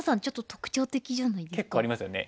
結構ありますよね。